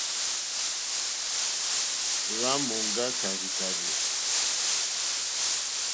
Hwá mɔ̀ŋgá kàrzìkàrzì.